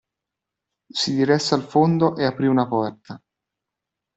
Si diresse al fondo e aprì una porta.